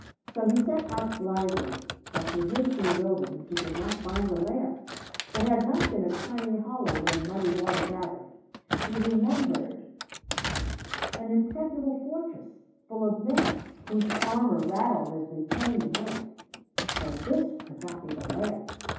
So he set out blithely, but, to his bewilderment, he could not find the Lair. It had not been a tiny hollow where muddy water gathered; he remembered an impregnable fortress full of men whose armour rattled as they came and went; so this could not be the Lair.